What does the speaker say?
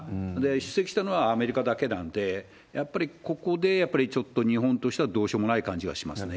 出席したのはアメリカだけなんで、やっぱりここで、やっぱり日本としてはどうしようもない感じがしますね。